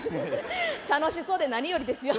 楽しそうで何よりですよ。